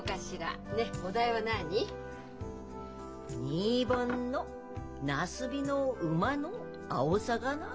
「新盆のなすびの馬の青さかな」。